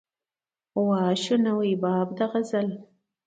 وا شو نوی باب د غزل